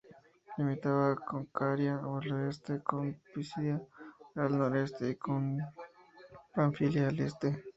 Limitaba con Caria al oeste, con Pisidia al noreste y con Panfilia al este.